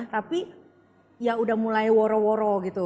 tapi ya udah mulai woro woro gitu